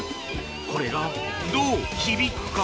これがどう響くか？